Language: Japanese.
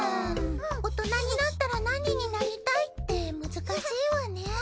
大人になったら何になりたいって難しいわね。